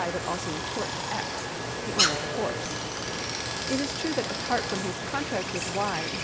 but also in tort to X., the owner of the horse. It is true that, apart from his contract with Y.